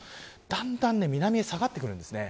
だんだん、南へ下がってきます。